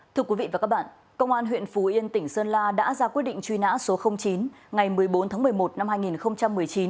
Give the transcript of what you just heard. thưa quý vị và các bạn công an huyện phú yên tỉnh sơn la đã ra quyết định truy nã số chín ngày một mươi bốn tháng một mươi một năm hai nghìn một mươi chín